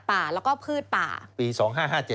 เพราะฉะนั้นคุณมิ้นท์พูดเนี่ยตรงเป้งเลย